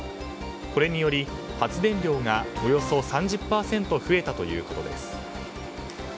これにより発電量がおよそ３０％増えたということです。